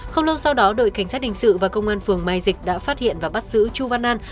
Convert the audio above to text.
không lâu sau đó đội cảnh sát hình sự và công an phường mai dịch đã phát hiện và bắt giữ chu văn an